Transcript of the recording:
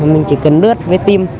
mình chỉ cần bước với team